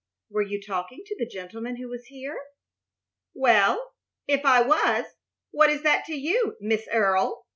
"Were you talking to the gentleman who was here?" "Well, if I was, what is that to you, Miss Earle?"